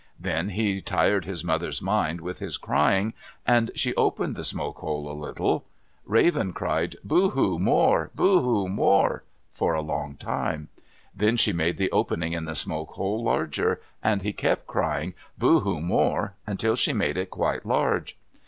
Then he tired his mother's mind with his crying, and she opened the smoke hole a little. Raven cried, "Boo hoo, more! Boo hoo, more!" for a long time. Then she made the opening in the smoke hole larger, and he kept crying, "Boo hoo, more!" until she had made it quite large.